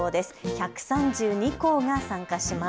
１３２校が参加します。